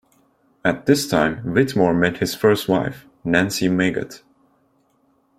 At this time, Whitmore met his first wife, Nancy Mygatt.